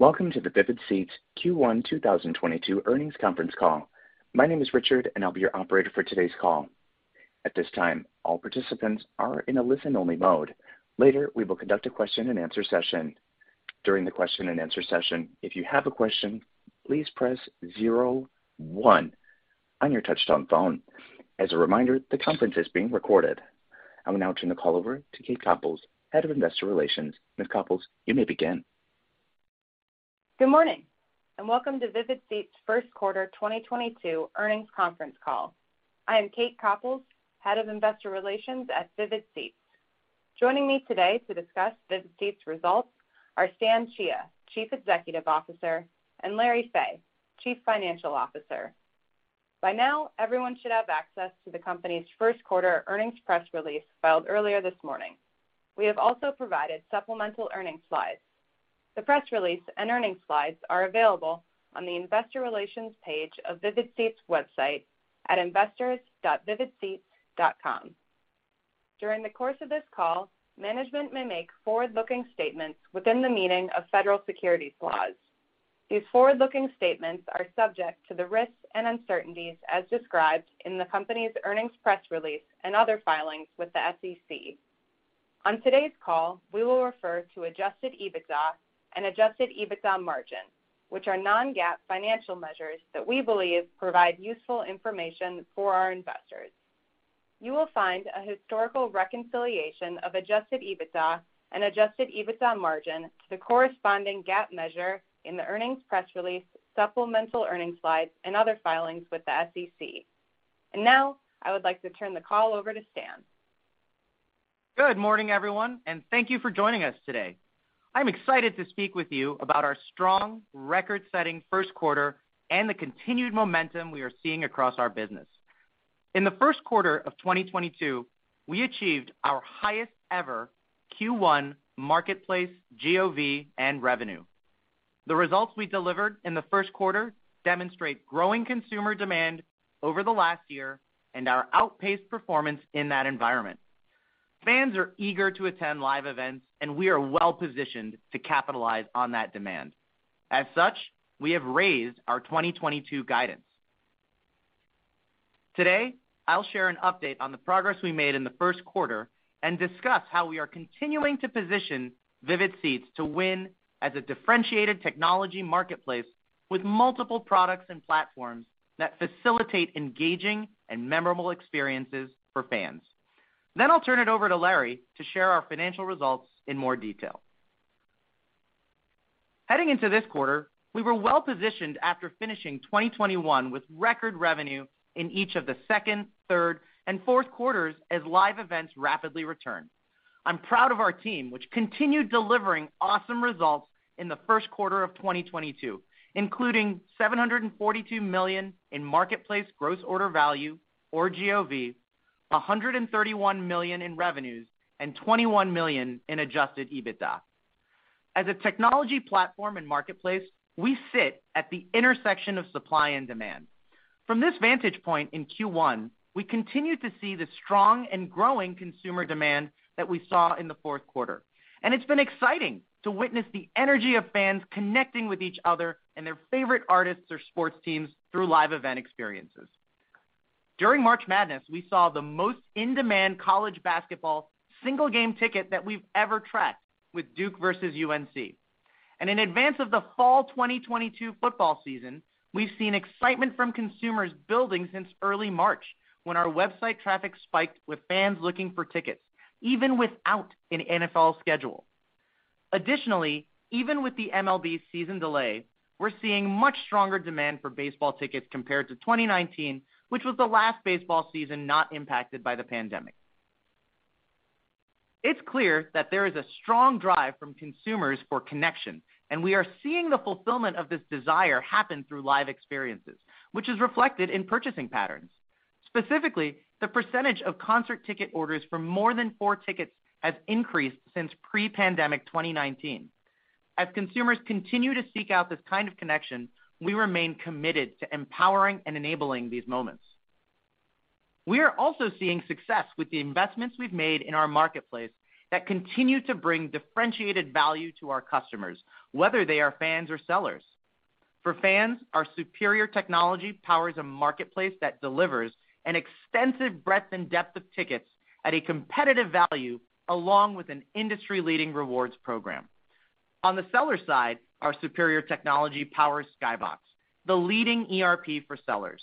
Welcome to the Vivid Seats Q1 2022 earnings conference call. My name is Richard, and I'll be your operator for today's call. At this time, all participants are in a listen-only mode. Later, we will conduct a question-and-answer session. During the question-and-answer session, if you have a question, please press zero one on your touchtone phone. As a reminder, the conference is being recorded. I will now turn the call over to Kate Kopco, Head of Investor Relations. Ms. Copouls, you may begin. Good morning, and welcome to Vivid Seats' first quarter 2022 earnings conference call. I am Kate Kopco, Head of Investor Relations at Vivid Seats. Joining me today to discuss Vivid Seats results are Stan Chia, Chief Executive Officer, and Larry Fey, Chief Financial Officer. By now, everyone should have access to the company's first quarter earnings press release filed earlier this morning. We have also provided supplemental earnings slides. The press release and earnings slides are available on the investor relations page of Vivid Seats' website at investors.vividseats.com. During the course of this call, management may make forward-looking statements within the meaning of federal securities laws. These forward-looking statements are subject to the risks and uncertainties as described in the company's earnings press release and other filings with the SEC. On today's call, we will refer to Adjusted EBITDA and Adjusted EBITDA margin, which are non-GAAP financial measures that we believe provide useful information for our investors. You will find a historical reconciliation of Adjusted EBITDA and Adjusted EBITDA margin to the corresponding GAAP measure in the earnings press release, supplemental earnings slides, and other filings with the SEC. Now, I would like to turn the call over to Stan. Good morning, everyone, and thank you for joining us today. I'm excited to speak with you about our strong record-setting first quarter and the continued momentum we are seeing across our business. In the first quarter of 2022, we achieved our highest ever Q1 marketplace GOV and revenue. The results we delivered in the first quarter demonstrate growing consumer demand over the last year and our outpaced performance in that environment. Fans are eager to attend live events, and we are well-positioned to capitalize on that demand. As such, we have raised our 2022 guidance. Today, I'll share an update on the progress we made in the first quarter and discuss how we are continuing to position Vivid Seats to win as a differentiated technology marketplace with multiple products and platforms that facilitate engaging and memorable experiences for fans. I'll turn it over to Larry to share our financial results in more detail. Heading into this quarter, we were well-positioned after finishing 2021 with record revenue in each of the second, third, and fourth quarters as live events rapidly returned. I'm proud of our team, which continued delivering awesome results in the first quarter of 2022, including 742 million in marketplace gross order value or GOV, 131 million in revenues, and 21 million in adjusted EBITDA. As a technology platform and marketplace, we sit at the intersection of supply and demand. From this vantage point in Q1, we continued to see the strong and growing consumer demand that we saw in the fourth quarter. It's been exciting to witness the energy of fans connecting with each other and their favorite artists or sports teams through live event experiences. During March Madness, we saw the most in-demand college basketball single game ticket that we've ever tracked with Duke versus UNC. In advance of the fall 2022 football season, we've seen excitement from consumers building since early March when our website traffic spiked with fans looking for tickets, even without an NFL schedule. Additionally, even with the MLB season delay, we're seeing much stronger demand for baseball tickets compared to 2019, which was the last baseball season not impacted by the pandemic. It's clear that there is a strong drive from consumers for connection, and we are seeing the fulfillment of this desire happen through live experiences, which is reflected in purchasing patterns. Specifically, the percentage of concert ticket orders for more than four tickets has increased since pre-pandemic 2019. As consumers continue to seek out this kind of connection, we remain committed to empowering and enabling these moments. We are also seeing success with the investments we've made in our marketplace that continue to bring differentiated value to our customers, whether they are fans or sellers. For fans, our superior technology powers a marketplace that delivers an extensive breadth and depth of tickets at a competitive value along with an industry-leading rewards program. On the seller side, our superior technology powers SkyBox, the leading ERP for sellers.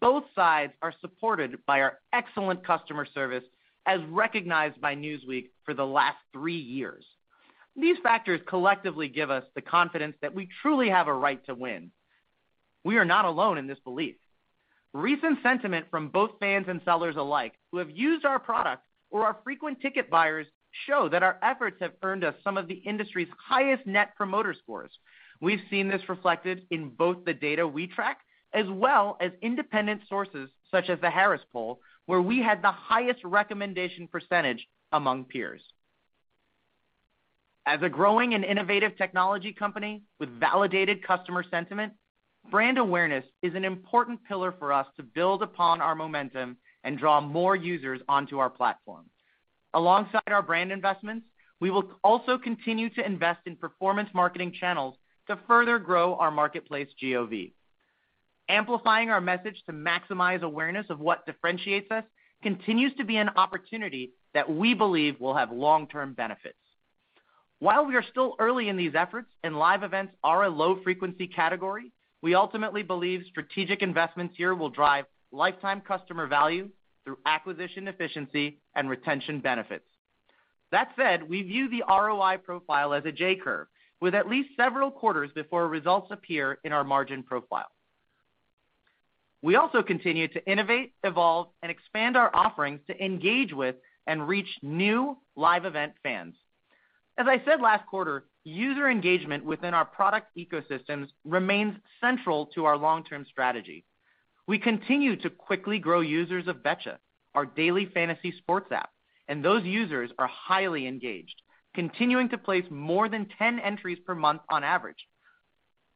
Both sides are supported by our excellent customer service, as recognized by Newsweek for the last three years. These factors collectively give us the confidence that we truly have a right to win. We are not alone in this belief. Recent sentiment from both fans and sellers alike who have used our product or are frequent ticket buyers show that our efforts have earned us some of the industry's highest net promoter scores. We've seen this reflected in both the data we track as well as independent sources such as the Harris Poll, where we had the highest recommendation percentage among peers. As a growing and innovative technology company with validated customer sentiment, brand awareness is an important pillar for us to build upon our momentum and draw more users onto our platform. Alongside our brand investments, we will also continue to invest in performance marketing channels to further grow our marketplace GOV. Amplifying our message to maximize awareness of what differentiates us continues to be an opportunity that we believe will have long-term benefits. While we are still early in these efforts, and live events are a low-frequency category, we ultimately believe strategic investments here will drive lifetime customer value through acquisition efficiency and retention benefits. That said, we view the ROI profile as a J curve, with at least several quarters before results appear in our margin profile. We also continue to innovate, evolve, and expand our offerings to engage with and reach new live event fans. As I said last quarter, user engagement within our product ecosystems remains central to our long-term strategy. We continue to quickly grow users of Betcha, our daily fantasy sports app, and those users are highly engaged, continuing to place more than 10 entries per month on average.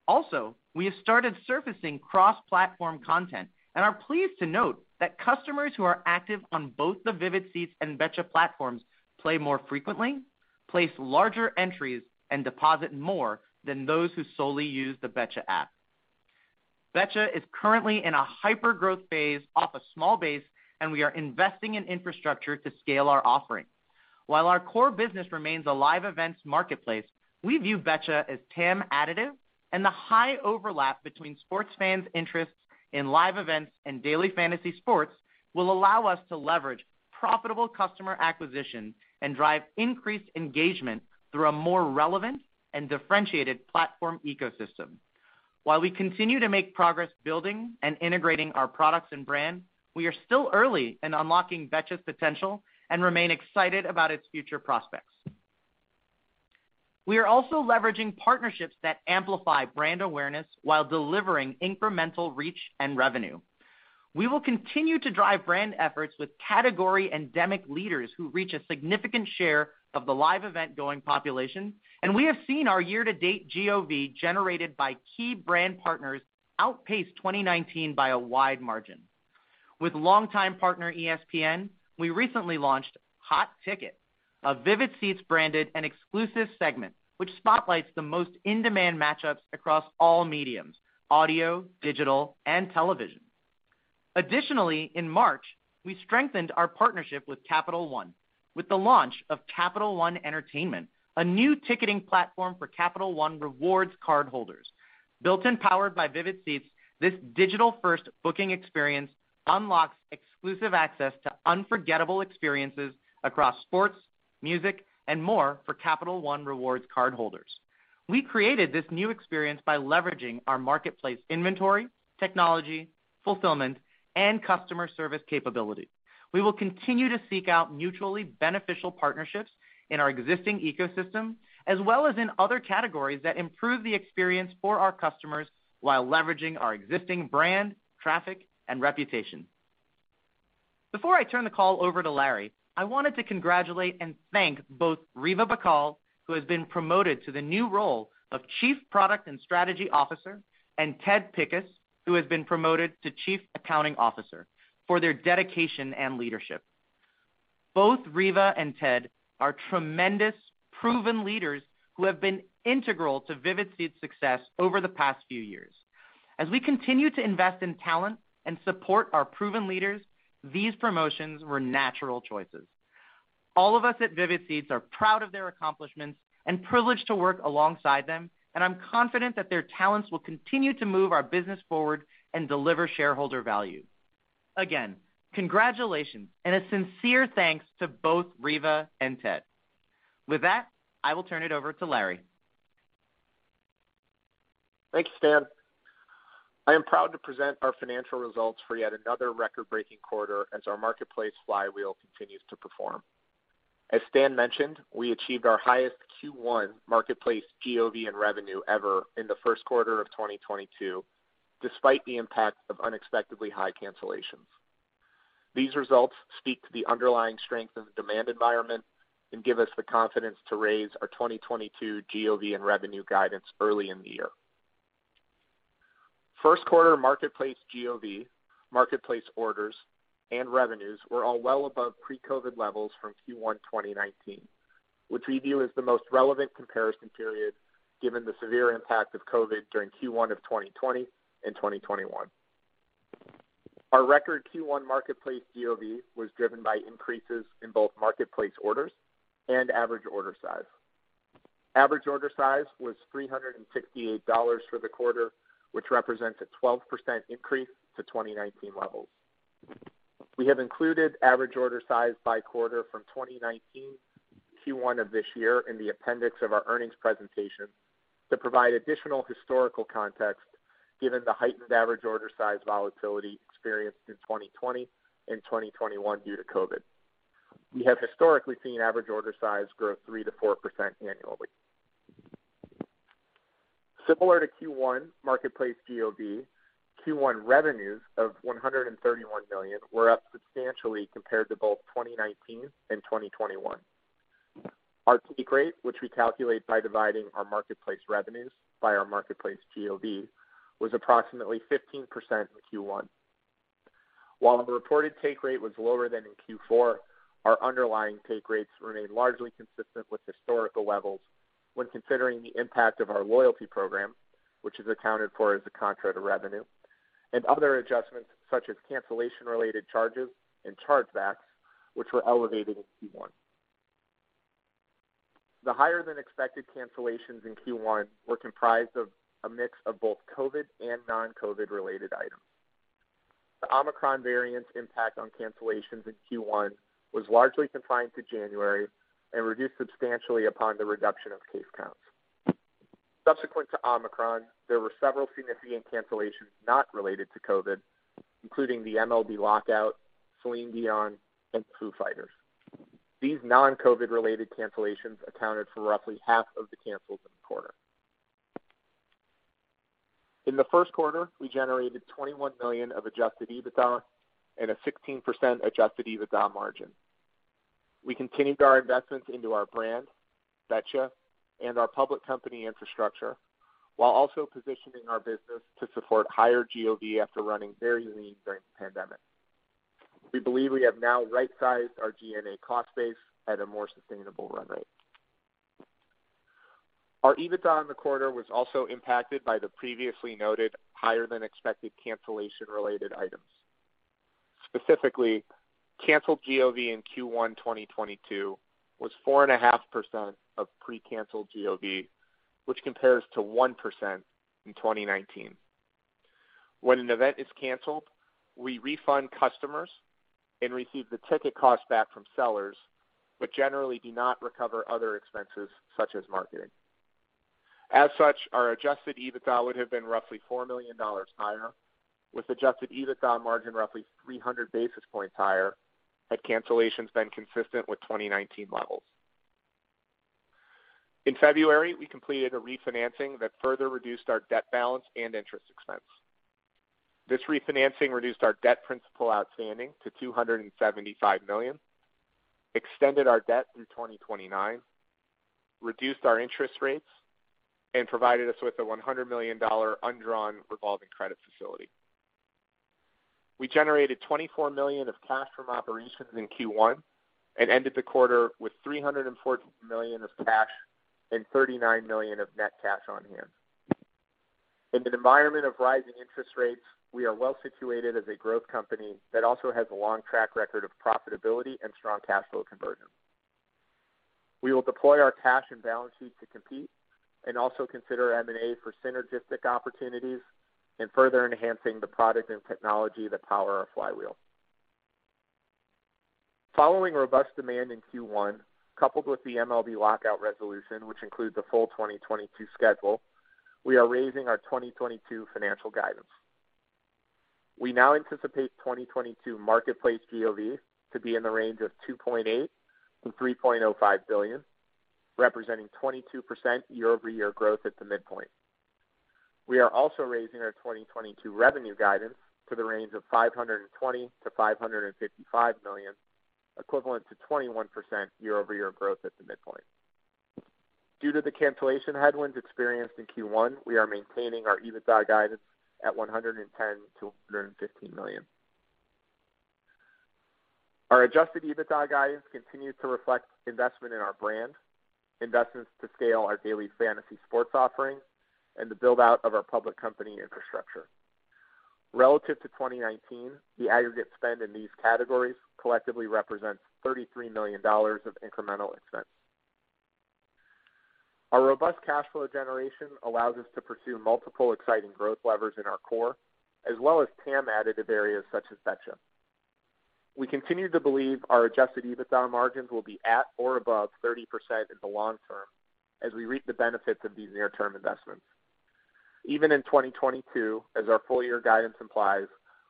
Also, we have started surfacing cross-platform content and are pleased to note that customers who are active on both the Vivid Seats and Betcha platforms play more frequently, place larger entries, and deposit more than those who solely use the Betcha app. Betcha is currently in a hypergrowth phase off a small base, and we are investing in infrastructure to scale our offering. While our core business remains a live events marketplace, we view Betcha as TAM additive and the high overlap between sports fans' interests in live events and daily fantasy sports will allow us to leverage profitable customer acquisition and drive increased engagement through a more relevant and differentiated platform ecosystem. While we continue to make progress building and integrating our products and brand, we are still early in unlocking Betcha's potential and remain excited about its future prospects. We are also leveraging partnerships that amplify brand awareness while delivering incremental reach and revenue. We will continue to drive brand efforts with category endemic leaders who reach a significant share of the live event-going population, and we have seen our year-to-date GOV generated by key brand partners outpace 2019 by a wide margin. With longtime partner ESPN, we recently launched Hot Ticket, a Vivid Seats branded and exclusive segment, which spotlights the most in-demand matchups across all media, audio, digital, and television. Additionally, in March, we strengthened our partnership with Capital One with the launch of Capital One Entertainment, a new ticketing platform for Capital One rewards cardholders. Built and powered by Vivid Seats, this digital-first booking experience unlocks exclusive access to unforgettable experiences across sports, music, and more for Capital One rewards cardholders. We created this new experience by leveraging our marketplace inventory, technology, fulfillment, and customer service capability. We will continue to seek out mutually beneficial partnerships in our existing ecosystem, as well as in other categories that improve the experience for our customers while leveraging our existing brand, traffic, and reputation. Before I turn the call over to Larry, I wanted to congratulate and thank both Riva Bakal, who has been promoted to the new role of Chief Product and Strategy Officer, and Ted Pickus, who has been promoted to Chief Accounting Officer, for their dedication and leadership. Both Riva and Ted are tremendous, proven leaders who have been integral to Vivid Seats' success over the past few years. As we continue to invest in talent and support our proven leaders, these promotions were natural choices. All of us at Vivid Seats are proud of their accomplishments and privileged to work alongside them, and I'm confident that their talents will continue to move our business forward and deliver shareholder value. Again, congratulations and a sincere thanks to both Riva and Ted. With that, I will turn it over to Larry. Thank you, Stan. I am proud to present our financial results for yet another record-breaking quarter as our marketplace flywheel continues to perform. As Stan mentioned, we achieved our highest Q1 marketplace GOV and revenue ever in the first quarter of 2022, despite the impact of unexpectedly high cancellations. These results speak to the underlying strength of the demand environment and give us the confidence to raise our 2022 GOV and revenue guidance early in the year. First quarter marketplace GOV, marketplace orders, and revenues were all well above pre-COVID levels from Q1 2019, which we view as the most relevant comparison period given the severe impact of COVID during Q1 of 2020 and 2021. Our record Q1 marketplace GOV was driven by increases in both marketplace orders and average order size. Average order size was $368 for the quarter, which represents a 12% increase to 2019 levels. We have included average order size by quarter from 2019 to Q1 of this year in the appendix of our earnings presentation to provide additional historical context given the heightened average order size volatility experienced in 2020 and 2021 due to COVID. We have historically seen average order size grow 3%-4% annually. Similar to Q1 marketplace GOV, Q1 revenues of 131 million were up substantially compared to both 2019 and 2021. Our take rate, which we calculate by dividing our marketplace revenues by our marketplace GOV, was approximately 15% in Q1. While the reported take rate was lower than in Q4, our underlying take rates remained largely consistent with historical levels when considering the impact of our loyalty program, which is accounted for as a contra to revenue and other adjustments such as cancellation related charges and chargebacks, which were elevated in Q1. The higher than expected cancellations in Q1 were comprised of a mix of both COVID and non-COVID related items. The Omicron variant's impact on cancellations in Q1 was largely confined to January and reduced substantially upon the reduction of case counts. Subsequent to Omicron, there were several significant cancellations not related to COVID, including the MLB lockout, Celine Dion, and the Foo Fighters. These non-COVID related cancellations accounted for roughly half of the cancels in the quarter. In the first quarter, we generated 21 million of adjusted EBITDA and a 16% adjusted EBITDA margin. We continued our investments into our brand, Betcha, and our public company infrastructure, while also positioning our business to support higher GOV after running very lean during the pandemic. We believe we have now right-sized our G&A cost base at a more sustainable run rate. Our EBITDA in the quarter was also impacted by the previously noted higher than expected cancellation related items. Specifically, canceled GOV in Q1 2022 was 4.5% of pre-canceled GOV, which compares to 1% in 2019. When an event is canceled, we refund customers and receive the ticket cost back from sellers, but generally do not recover other expenses such as marketing. As such, our adjusted EBITDA would have been roughly $4 million higher, with adjusted EBITDA margin roughly 300 basis points higher had cancellations been consistent with 2019 levels. In February, we completed a refinancing that further reduced our debt balance and interest expense. This refinancing reduced our debt principal outstanding to 275 million, extended our debt through 2029, reduced our interest rates, and provided us with a $100 million undrawn revolving credit facility. We generated 24 million of cash from operations in Q1 and ended the quarter with 314 million of cash and 39 million of net cash on hand. In an environment of rising interest rates, we are well situated as a growth company that also has a long track record of profitability and strong cash flow conversion. We will deploy our cash and balance sheet to compete and also consider M&A for synergistic opportunities and further enhancing the product and technology that power our flywheel. Following robust demand in Q1, coupled with the MLB lockout resolution, which includes the full 2022 schedule, we are raising our 2022 financial guidance. We now anticipate 2022 marketplace GOV to be in the range of 2.8-3.05 billion, representing 22% year-over-year growth at the midpoint. We are also raising our 2022 revenue guidance to the range of 520-555 million, equivalent to 21% year-over-year growth at the midpoint. Due to the cancellation headwinds experienced in Q1, we are maintaining our EBITDA guidance at 110-115 million. Our adjusted EBITDA guidance continues to reflect investment in our brand, investments to scale our daily fantasy sports offerings, and the build-out of our public company infrastructure. Relative to 2019, the aggregate spend in these categories collectively represents $33 million of incremental expense. Our robust cash flow generation allows us to pursue multiple exciting growth levers in our core as well as TAM additive areas such as Betcha. We continue to believe our adjusted EBITDA margins will be at or above 30% in the long term as we reap the benefits of these near term investments. Even in 2022, as our full year guidance implies,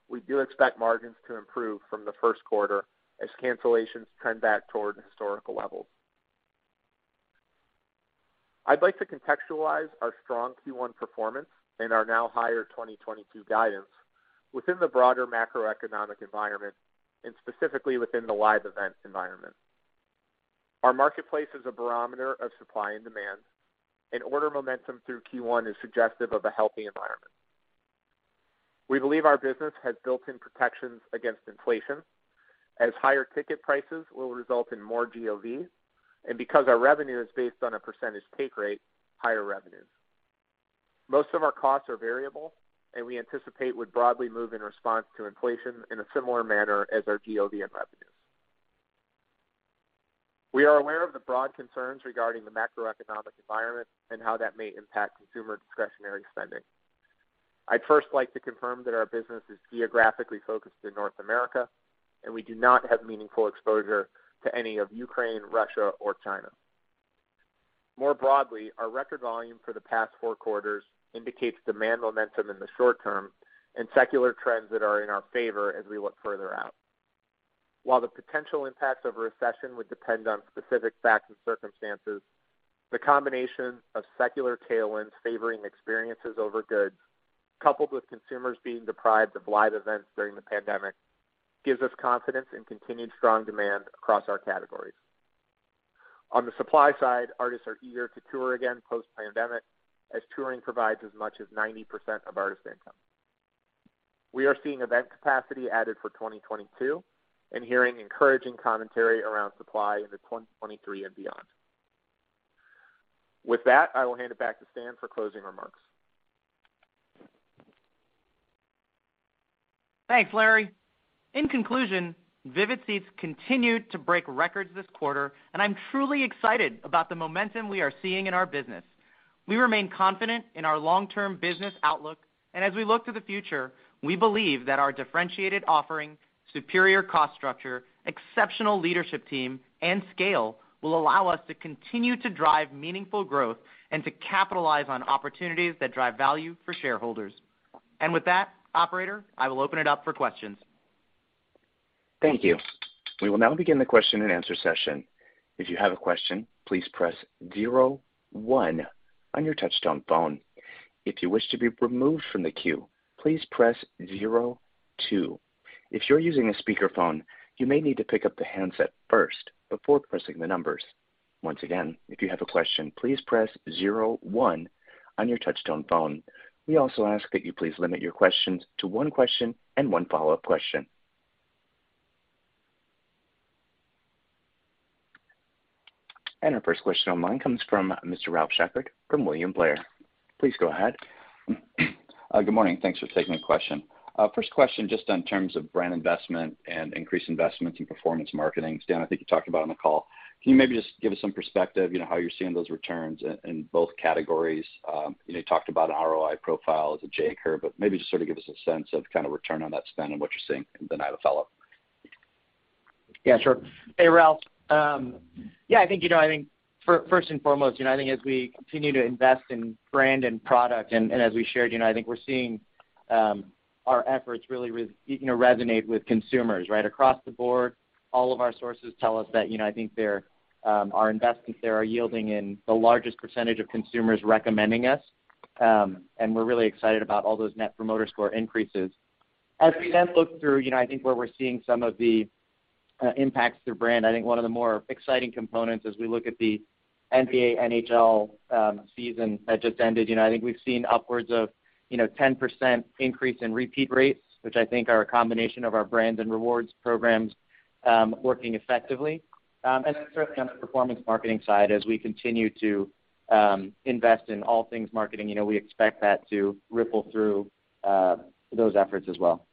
we do expect margins to improve from the first quarter as cancellations trend back toward historical levels. I'd like to contextualize our strong Q1 performance and our now higher 2022 guidance within the broader macroeconomic environment and specifically within the live event environment. Our marketplace is a barometer of supply and demand, and order momentum through Q1 is suggestive of a healthy environment. We believe our business has built-in protections against inflation as higher ticket prices will result in more GOV and because our revenue is based on a percentage take rate, higher revenues. Most of our costs are variable, and we anticipate would broadly move in response to inflation in a similar manner as our GOV and revenues. We are aware of the broad concerns regarding the macroeconomic environment and how that may impact consumer discretionary spending. I'd first like to confirm that our business is geographically focused in North America, and we do not have meaningful exposure to any of Ukraine, Russia, or China. More broadly, our record volume for the past four quarters indicates demand momentum in the short term and secular trends that are in our favor as we look further out. While the potential impacts of a recession would depend on specific facts and circumstances, the combination of secular tailwinds favoring experiences over goods, coupled with consumers being deprived of live events during the pandemic. Gives us confidence in continued strong demand across our categories. On the supply side, artists are eager to tour again post-pandemic as touring provides as much as 90% of artist income. We are seeing event capacity added for 2022 and hearing encouraging commentary around supply into 2023 and beyond. With that, I will hand it back to Stan for closing remarks. Thanks, Larry. In conclusion, Vivid Seats continued to break records this quarter, and I'm truly excited about the momentum we are seeing in our business. We remain confident in our long-term business outlook. As we look to the future, we believe that our differentiated offering, superior cost structure, exceptional leadership team, and scale will allow us to continue to drive meaningful growth and to capitalize on opportunities that drive value for shareholders. With that, operator, I will open it up for questions. Thank you. We will now begin the question and answer session. If you have a question, please press zero one on your touchtone phone. If you wish to be removed from the queue, please press zero two. If you're using a speakerphone, you may need to pick up the handset first before pressing the numbers. Once again, if you have a question, please press zero one on your touchtone phone. We also ask that you please limit your questions to one question and one follow-up question. Our first question on the line comes from Mr. Ralph Schackart from William Blair. Please go ahead. Good morning. Thanks for taking the question. First question, just in terms of brand investment and increased investments in performance marketing. Stan, I think you talked about on the call. Can you maybe just give us some perspective, you know, how you're seeing those returns in both categories? You know, you talked about an ROI profile as a J curve, but maybe just sort of give us a sense of kinda return on that spend and what you're seeing in the funnel. Yeah, sure. Hey, Ralph. Yeah, I think, you know, I think first and foremost, you know, I think as we continue to invest in brand and product, and as we shared, you know, I think we're seeing our efforts really resonate with consumers, right? Across the board, all of our sources tell us that, you know, I think there, our investments there are yielding the largest percentage of consumers recommending us, and we're really excited about all those Net Promoter Score increases. As we then look through, you know, I think where we're seeing some of the impacts to brand, I think one of the more exciting components as we look at the NBA, NHL season that just ended, you know, I think we've seen upwards of, you know, 10% increase in repeat rates, which I think are a combination of our brands and rewards programs working effectively. Certainly on the performance marketing side, as we continue to invest in all things marketing, you know, we expect that to ripple through those efforts as well.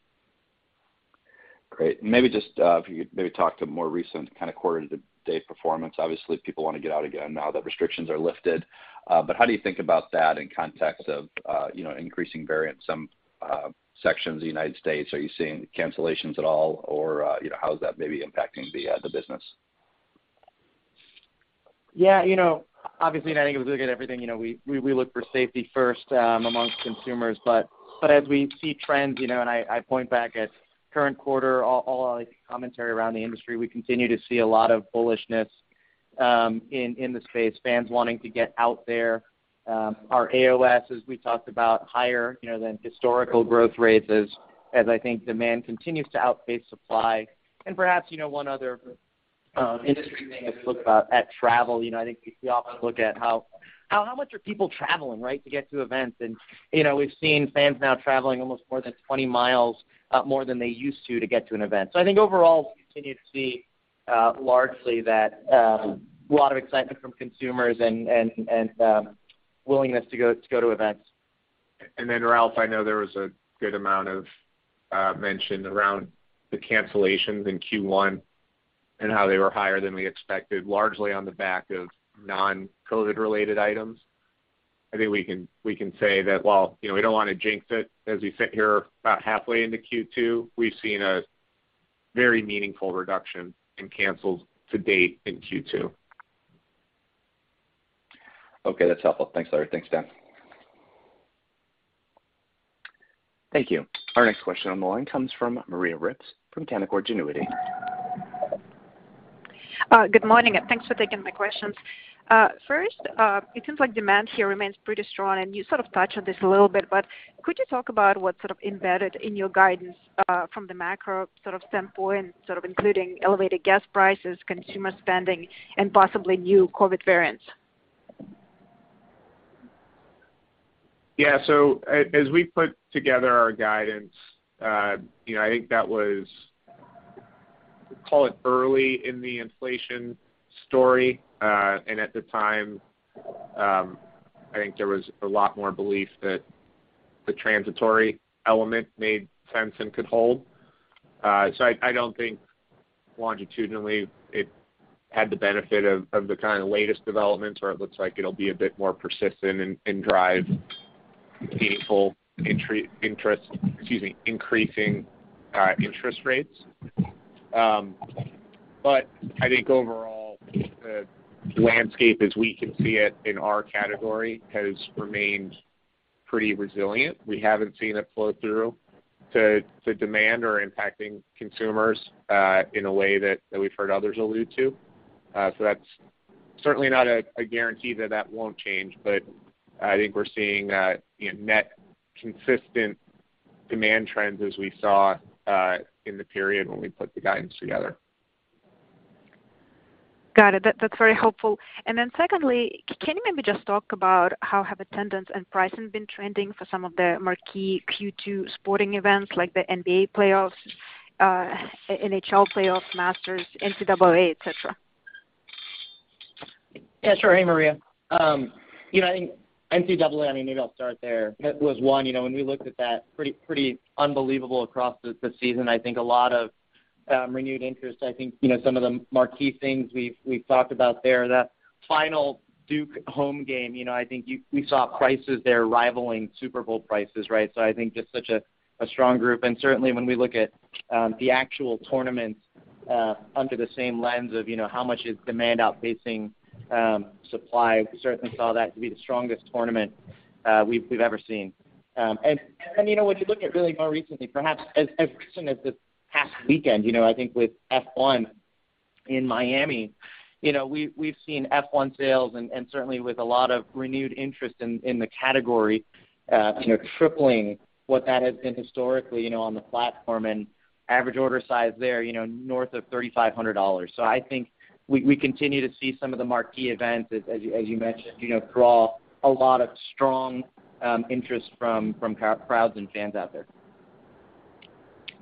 Great. Maybe just if you could maybe talk to more recent kinda quarter-to-date performance. Obviously, people wanna get out again now that restrictions are lifted. How do you think about that in context of you know, increasing variants, some sections of the United States? Are you seeing cancellations at all, or you know, how is that maybe impacting the business? Yeah, you know, obviously, I think if you look at everything, you know, we look for safety first among consumers. As we see trends, you know, and I point back at current quarter, all like commentary around the industry, we continue to see a lot of bullishness in the space, fans wanting to get out there. Our AOS, as we talked about, higher, you know, than historical growth rates as I think demand continues to outpace supply. Perhaps, you know, one other industry thing I've looked about at travel, you know, I think we often look at how much are people traveling, right, to get to events. You know, we've seen fans now traveling almost more than 20 miles more than they used to get to an event. I think overall, we continue to see largely that a lot of excitement from consumers and willingness to go to events. Ralph, I know there was a good amount of mention around the cancellations in Q1 and how they were higher than we expected, largely on the back of non-COVID related items. I think we can say that while, you know, we don't wanna jinx it as we sit here about halfway into Q2, we've seen a very meaningful reduction in cancels to date in Q2. Okay, that's helpful. Thanks, Larry. Thanks, Stan. Thank you. Our next question on the line comes from Maria Ripps from Canaccord Genuity. Good morning, and thanks for taking my questions. First, it seems like demand here remains pretty strong, and you sort of touched on this a little bit, but could you talk about what's sort of embedded in your guidance, from the macro sort of standpoint, sort of including elevated gas prices, consumer spending, and possibly new COVID variants? As we put together our guidance, I think that was, call it early in the inflation story. I think there was a lot more belief that the transitory element made sense and could hold. I don't think longitudinally it had the benefit of the kinda latest developments where it looks like it'll be a bit more persistent and drive meaningful increasing interest rates. I think overall, the landscape as we can see it in our category has remained pretty resilient. We haven't seen it flow through to demand or impacting consumers in a way that we've heard others allude to. That's certainly not a guarantee that that won't change, but I think we're seeing, you know, net consistent demand trends as we saw in the period when we put the guidance together. Got it. That's very helpful. Secondly, can you maybe just talk about how have attendance and pricing been trending for some of the marquee Q2 sporting events like the NBA playoffs, NHL playoffs, Masters, NCAA, et cetera? Yeah, sure. Hey, Maria. You know, I think NCAA, I mean, maybe I'll start there. That was one, you know, when we looked at that pretty unbelievable across the season. I think a lot of renewed interest. I think, you know, some of the marquee things we've talked about there. That final Duke home game, you know, I think we saw prices there rivaling Super Bowl prices, right? So I think just such a strong group. Certainly when we look at the actual tournaments under the same lens of, you know, how much is demand outpacing supply, we certainly saw that to be the strongest tournament we've ever seen. You know, when you look at really more recently, perhaps as recent as this past weekend, you know, I think with F1 in Miami, you know, we've seen F1 sales and certainly with a lot of renewed interest in the category, you know, tripling what that has been historically, you know, on the platform and average order size there, you know, north of $3,500. I think we continue to see some of the marquee events as you mentioned, you know, draw a lot of strong interest from crowds and fans out there.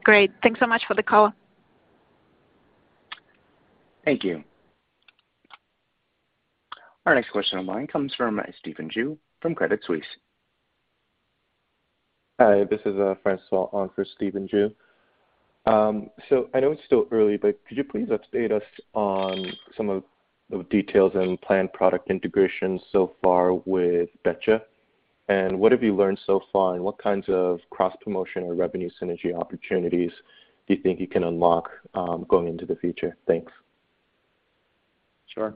Great. Thanks so much for the color. Thank you. Our next question in line comes from Stephen Ju from Credit Suisse. Hi, this is Francois on for Stephen Ju. I know it's still early, but could you please update us on some of the details and planned product integrations so far with Betcha? What have you learned so far, and what kinds of cross-promotion or revenue synergy opportunities do you think you can unlock going into the future? Thanks. Sure.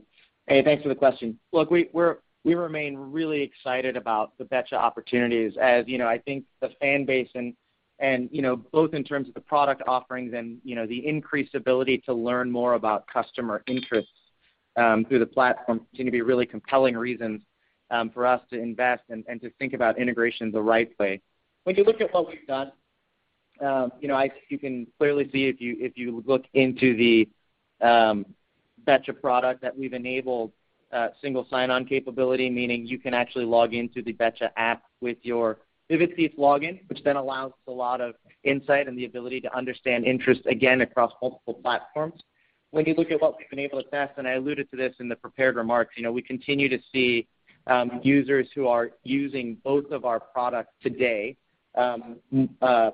Hey, thanks for the question. Look, we remain really excited about the Betcha opportunities. As you know, I think the fan base and you know both in terms of the product offerings and you know the increased ability to learn more about customer interests through the platform continue to be really compelling reasons for us to invest and to think about integration the right way. When you look at what we've done you know you can clearly see if you look into the Betcha product that we've enabled a single sign-on capability, meaning you can actually log into the Betcha app with your Vivid Seats login, which then allows a lot of insight and the ability to understand interest again across multiple platforms. When you look at what we've been able to test, and I alluded to this in the prepared remarks, you know, we continue to see users who are using both of our products today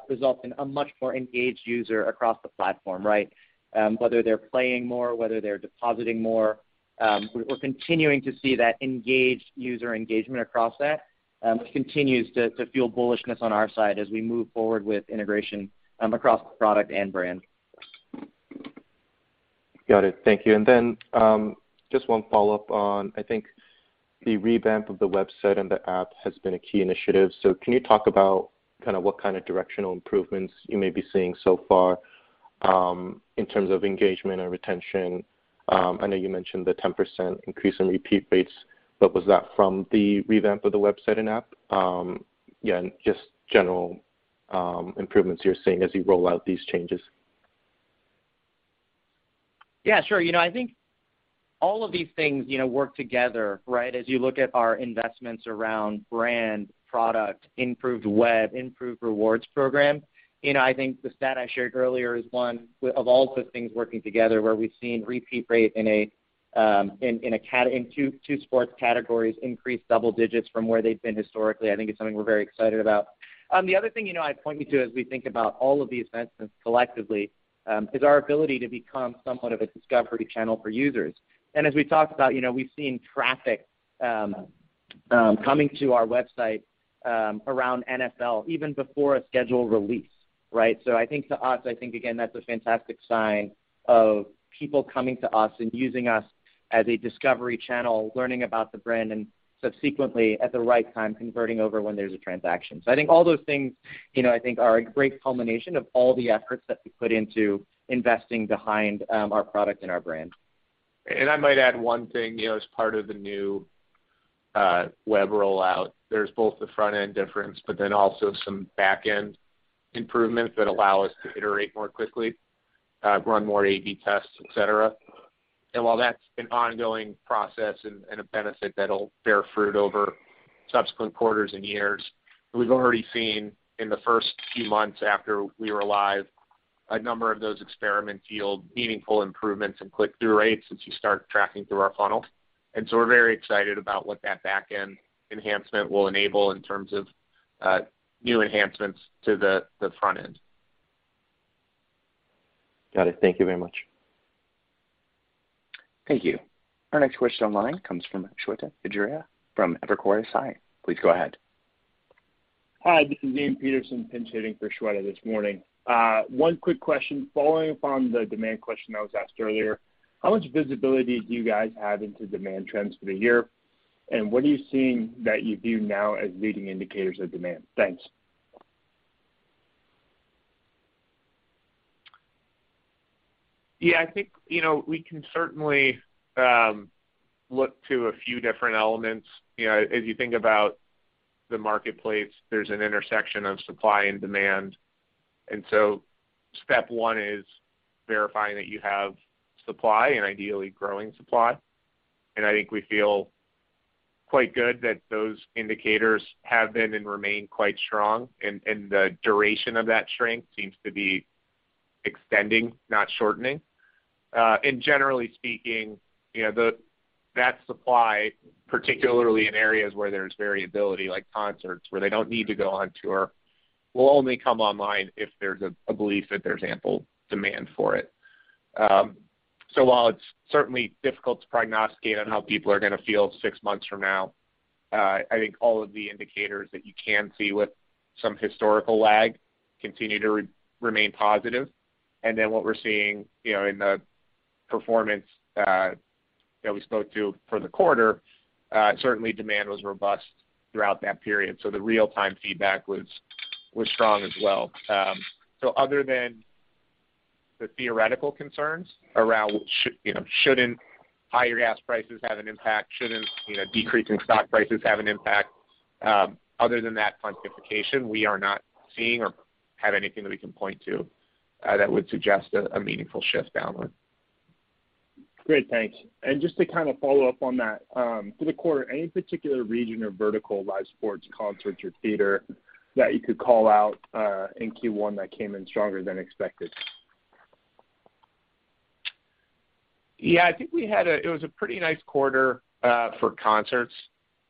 result in a much more engaged user across the platform, right? Whether they're playing more, whether they're depositing more, we're continuing to see that engaged user engagement across that, which continues to fuel bullishness on our side as we move forward with integration across product and brand. Got it. Thank you. Just one follow-up on, I think the revamp of the website and the app has been a key initiative. Can you talk about kind of what kind of directional improvements you may be seeing so far, in terms of engagement and retention? I know you mentioned the 10% increase in repeat rates, but was that from the revamp of the website and app? Yeah, and just general improvements you're seeing as you roll out these changes. Yeah, sure. You know, I think all of these things, you know, work together, right? As you look at our investments around brand, product, improved web, improved rewards program. You know, I think the stat I shared earlier is of all those things working together, where we've seen repeat rate in two sports categories increase double digits from where they've been historically. I think it's something we're very excited about. The other thing, you know, I'd point you to as we think about all of these investments collectively, is our ability to become somewhat of a discovery channel for users. As we talked about, you know, we've seen traffic coming to our website around NFL even before a schedule release, right? I think to us, again, that's a fantastic sign of people coming to us and using us as a discovery channel, learning about the brand and subsequently at the right time converting over when there's a transaction. I think all those things, you know, I think are a great culmination of all the efforts that we put into investing behind our product and our brand. I might add one thing, you know, as part of the new web rollout, there's both the front-end difference, but then also some back-end improvements that allow us to iterate more quickly, run more AB tests, et cetera. While that's an ongoing process and a benefit that'll bear fruit over subsequent quarters and years, we've already seen in the first few months after we were live, a number of those experiments yield meaningful improvements in click-through rates as you start tracking through our funnels. We're very excited about what that back-end enhancement will enable in terms of new enhancements to the front end. Got it. Thank you very much. Thank you. Our next question online comes from Shweta Khajuria from Evercore ISI. Please go ahead. Hi, this is Dane Peterson pinch hitting for Shweta this morning. One quick question following up on the demand question that was asked earlier. How much visibility do you guys have into demand trends for the year? What are you seeing that you view now as leading indicators of demand? Thanks. Yeah, I think, you know, we can certainly look to a few different elements. You know, as you think about the marketplace, there's an intersection of supply and demand. Step one is verifying that you have supply and ideally growing supply. I think we feel quite good that those indicators have been and remain quite strong, and the duration of that strength seems to be extending, not shortening. Generally speaking, you know, that supply, particularly in areas where there's variability, like concerts, where they don't need to go on tour, will only come online if there's a belief that there's ample demand for it. While it's certainly difficult to prognosticate on how people are gonna feel six months from now, I think all of the indicators that you can see with some historical lag continue to remain positive. What we're seeing, you know, in the performance that we spoke to for the quarter, certainly demand was robust throughout that period. The real-time feedback was strong as well. Other than the theoretical concerns around you know, shouldn't higher gas prices have an impact, shouldn't, you know, decreasing stock prices have an impact? Other than that quantification, we are not seeing or have anything that we can point to that would suggest a meaningful shift downward. Great. Thanks. Just to kind of follow up on that, for the quarter, any particular region or vertical, live sports, concerts or theater that you could call out, in Q1 that came in stronger than expected? Yeah, I think we had a pretty nice quarter for concerts,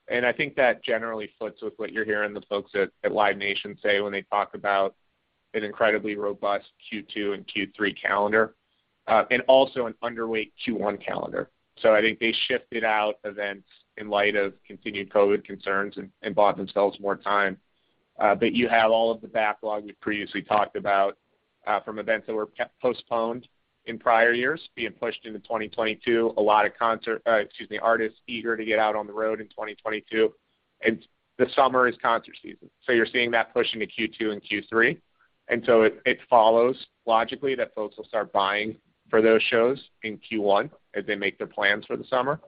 and I think that generally fits with what you're hearing the folks at Live Nation say when they talk about an incredibly robust Q2 and Q3 calendar, and also an underweight Q1 calendar. I think they shifted out events in light of continued COVID concerns and bought themselves more time. You have all of the backlog we previously talked about from events that were postponed in prior years being pushed into 2022. A lot of artists eager to get out on the road in 2022, and the summer is concert season. You're seeing that push into Q2 and Q3. It follows logically that folks will start buying for those shows in Q1 as they make their plans for the summer.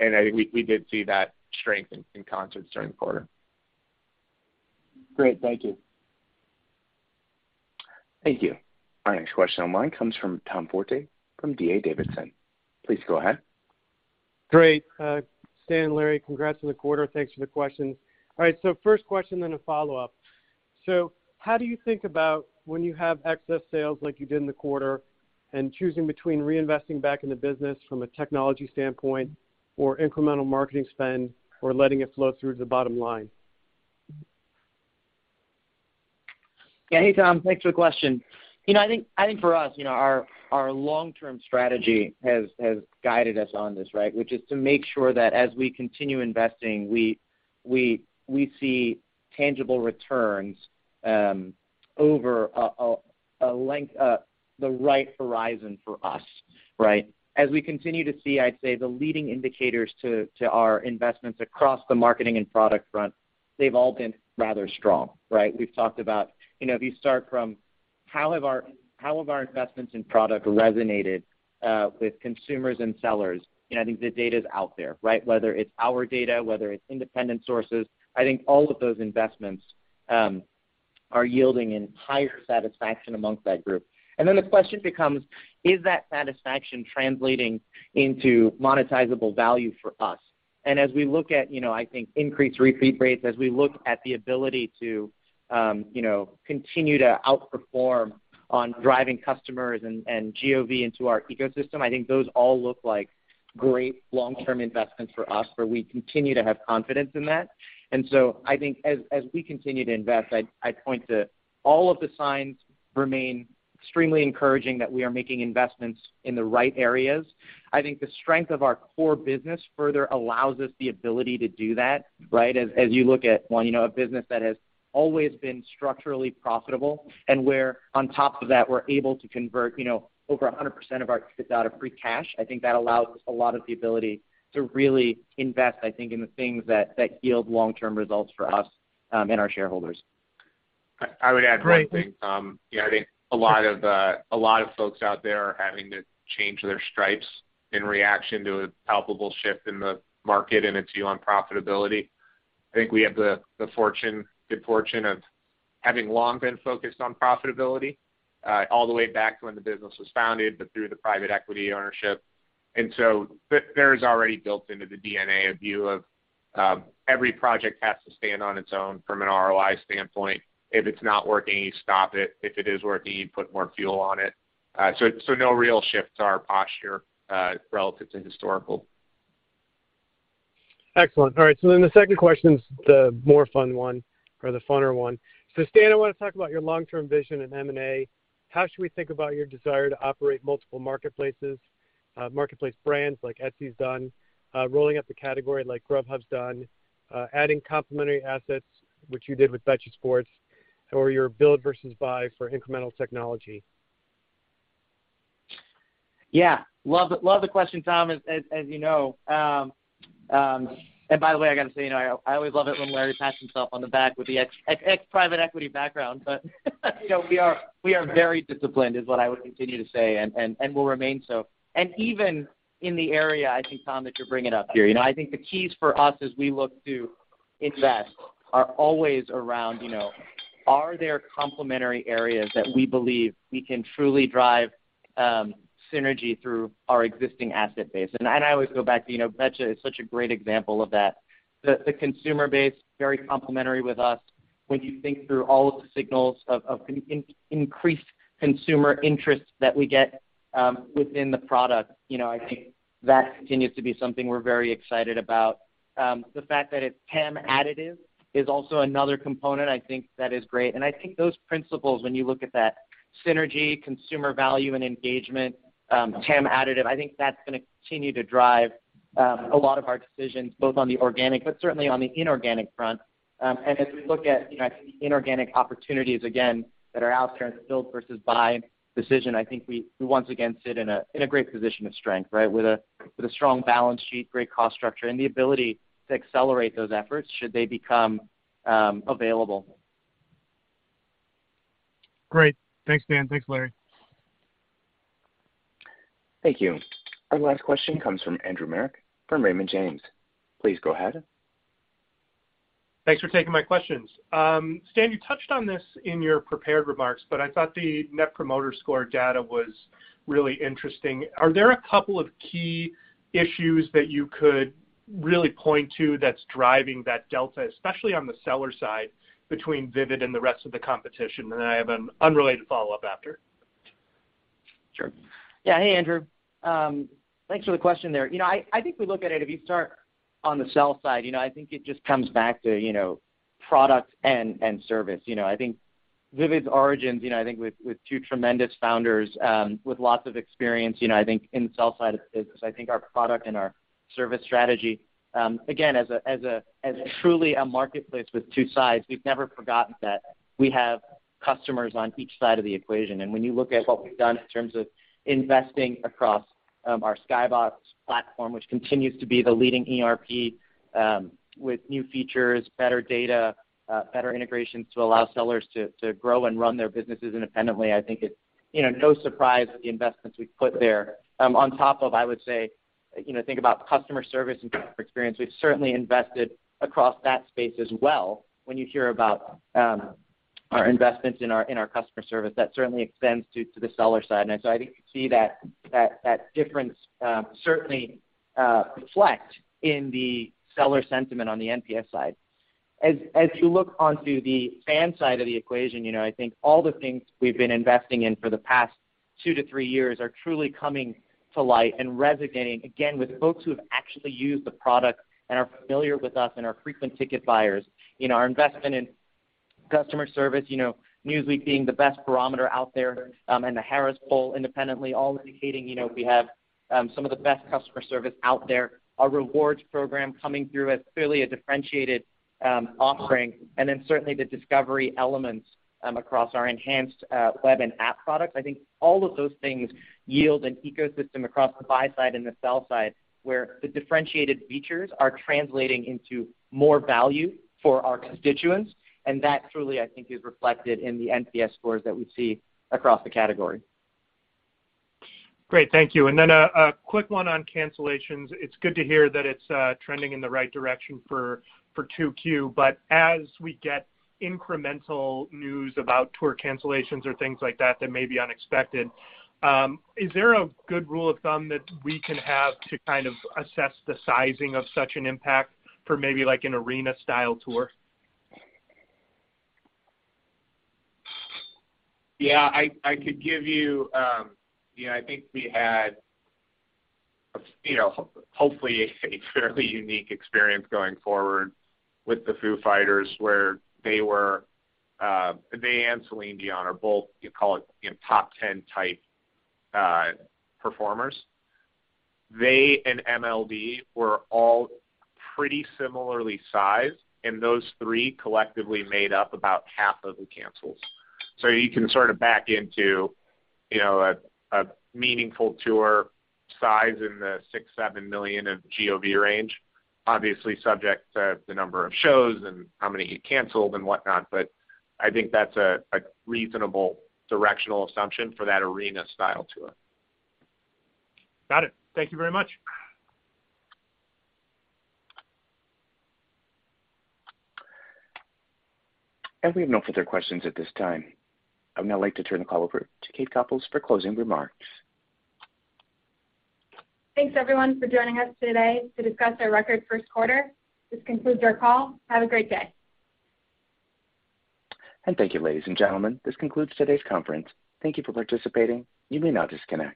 I think we did see that strength in concerts during the quarter. Great. Thank you. Thank you. Our next question online comes from Tom Forte from D.A. Davidson. Please go ahead. Great. Stan, Larry, congrats on the quarter. Thanks for the questions. All right, first question, then a follow-up. How do you think about when you have excess sales like you did in the quarter and choosing between reinvesting back in the business from a technology standpoint or incremental marketing spend or letting it flow through to the bottom line? Yeah. Hey, Tom. Thanks for the question. You know, I think for us, you know, our long-term strategy has guided us on this, right? Which is to make sure that as we continue investing, we see tangible returns over the right horizon for us, right? As we continue to see, I'd say the leading indicators to our investments across the marketing and product front, they've all been rather strong, right? We've talked about, you know, if you start from how have our investments in product resonated with consumers and sellers? You know, I think the data is out there, right? Whether it's our data, whether it's independent sources, I think all of those investments are yielding higher satisfaction among that group. The question becomes, is that satisfaction translating into monetizable value for us? As we look at, you know, I think increased repeat rates, as we look at the ability to, you know, continue to outperform on driving customers and GOV into our ecosystem, I think those all look like great long-term investments for us, where we continue to have confidence in that. I think as we continue to invest, I'd point to all of the signs remain extremely encouraging that we are making investments in the right areas. I think the strength of our core business further allows us the ability to do that, right? As you look at, well, you know, a business that has always been structurally profitable and where on top of that, we're able to convert, you know, over 100% of our free cash. I think that allows us a lot of the ability to really invest, I think, in the things that yield long-term results for us, and our shareholders. I would add one thing, Tom. You know, I think a lot of folks out there are having to change their stripes in reaction to a palpable shift in the market and its view on profitability. I think we have the good fortune of having long been focused on profitability all the way back to when the business was founded, but through the private equity ownership. There is already built into the DNA a view of every project has to stand on its own from an ROI standpoint. If it's not working, you stop it. If it is working, you put more fuel on it. No real shift to our posture relative to historical. Excellent. All right. The second question is the more fun one or the funner one. Stan, I want to talk about your long-term vision in M&A. How should we think about your desire to operate multiple marketplaces, marketplace brands like Etsy's done, rolling up the category like Grubhub's done, adding complementary assets, which you did with Betcha or your build versus buy for incremental technology? Yeah. Love the question, Tom, as you know. By the way, I gotta say, you know, I always love it when Larry pats himself on the back with the ex-private equity background. You know, we are very disciplined is what I would continue to say, and will remain so. Even in the area, I think, Tom, that you're bringing up here, you know, I think the keys for us as we look to invest are always around, you know, are there complementary areas that we believe we can truly drive synergy through our existing asset base? I always go back to, you know, Betcha is such a great example of that. The consumer base, very complementary with us. When you think through all of the signals of increased consumer interest that we get within the product, you know, I think that continues to be something we're very excited about. The fact that it's TAM additive is also another component I think that is great. I think those principles, when you look at that synergy, consumer value and engagement, TAM additive, I think that's gonna continue to drive a lot of our decisions, both on the organic but certainly on the inorganic front. As we look at, you know, I think the inorganic opportunities again that are out there in the build versus buy decision, I think we once again sit in a great position of strength, right? With a strong balance sheet, great cost structure, and the ability to accelerate those efforts should they become available. Great. Thanks, Stan. Thanks, Larry. Thank you. Our last question comes from Andrew Marok from Raymond James. Please go ahead. Thanks for taking my questions. Stan, you touched on this in your prepared remarks, but I thought the net promoter score data was really interesting. Are there a couple of key issues that you could really point to that's driving that delta, especially on the seller side, between Vivid and the rest of the competition? I have an unrelated follow-up after. Sure. Yeah. Hey, Andrew. Thanks for the question there. You know, I think we look at it, if you start on the sell side, you know, I think it just comes back to, you know, product and service. You know, I think Vivid's origins, you know, I think with two tremendous founders, with lots of experience, you know, I think in sell side of the business. I think our product and our service strategy, again, as truly a marketplace with two sides, we've never forgotten that we have customers on each side of the equation. When you look at what we've done in terms of investing across our Skybox platform, which continues to be the leading ERP with new features, better data, better integrations to allow sellers to grow and run their businesses independently, I think it's, you know, no surprise the investments we've put there on top of, I would say, you know, think about customer service and customer experience. We've certainly invested across that space as well. When you hear about our investments in our customer service, that certainly extends to the seller side. I think you see that difference certainly reflect in the seller sentiment on the NPS side. As you look onto the fan side of the equation, you know, I think all the things we've been investing in for the past two-three years are truly coming to light and resonating again with folks who have actually used the product and are familiar with us and are frequent ticket buyers. You know, our investment in customer service, you know, Newsweek being the best barometer out there, and the Harris Poll independently all indicating, you know, we have some of the best customer service out there. Our rewards program coming through as clearly a differentiated offering. Certainly the discovery elements across our enhanced web and app products. I think all of those things yield an ecosystem across the buy side and the sell side, where the differentiated features are translating into more value for our constituents, and that truly, I think, is reflected in the NPS scores that we see across the category. Great. Thank you. A quick one on cancellations. It's good to hear that it's trending in the right direction for 2Q. As we get incremental news about tour cancellations or things like that that may be unexpected, is there a good rule of thumb that we can have to kind of assess the sizing of such an impact for maybe like an arena style tour? Yeah. I could give you. You know, I think we had, you know, hopefully a fairly unique experience going forward with the Foo Fighters, where they and Celine Dion are both, you call it, you know, top ten type performers. They and MLB were all pretty similarly sized, and those three collectively made up about half of the cancels. You can sort of back into, you know, a meaningful tour size in the six-seven million GOV range, obviously subject to the number of shows and how many get canceled and whatnot. I think that's a reasonable directional assumption for that arena style tour. Got it. Thank you very much. We have no further questions at this time. I'd now like to turn the call over to Kate Copouls for closing remarks. Thanks, everyone, for joining us today to discuss our record first quarter. This concludes our call. Have a great day. Thank you, ladies and gentlemen. This concludes today's conference. Thank you for participating. You may now disconnect.